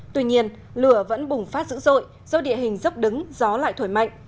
tuy nhiên lửa vẫn bùng phát dữ dội do địa hình dốc đứng gió lại thổi mạnh